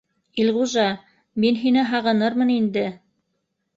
Илғужа, мин һине һағынырмын инде